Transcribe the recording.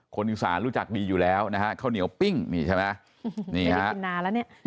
คนอื่นสารรู้จักดีอยู่แล้วนะฮะเข้าเหนียวปิ้งนี่ใช่ไหม